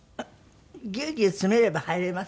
ギュウギュウ詰めれば入れます。